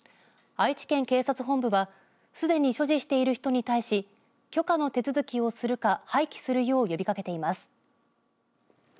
愛知県警察本部はすでに所持している人に対し許可の手続きをするか廃棄するよう呼びかけています。